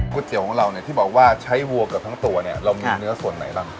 เตี๋ยวของเราเนี่ยที่บอกว่าใช้วัวเกือบทั้งตัวเนี่ยเรามีเนื้อส่วนไหนบ้าง